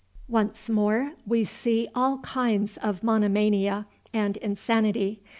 "Once more, we see all kinds of monomania and insanity.